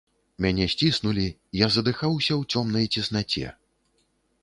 Мяне сціснулі, я задыхаўся ў цёмнай цеснаце.